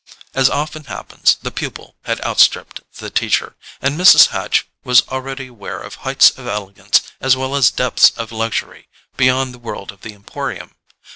As often happens, the pupil had outstripped the teacher, and Mrs. Hatch was already aware of heights of elegance as well as depths of luxury beyond the world of the Emporium.